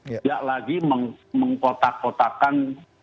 nggak lagi mengkotak kotakan